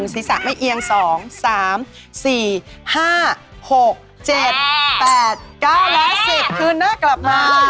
ศีรษะไม่เอียง๒๓๔๕๖๗๘๙และ๑๐คืนหน้ากลับมา